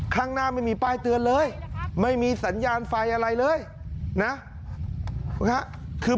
ข้างหน้าไม่มีป้ายเตือนเลยไม่มีสัญญาณไฟอะไรเลยนะคือ